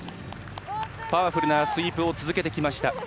パワフルなスイープを続けてきました